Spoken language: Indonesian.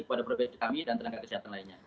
kepada kami dan tenaga kesehatan lainnya